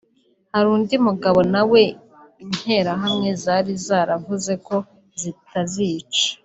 Hari undi mugabo nawe interahamwe zari zaravuze ko zitazica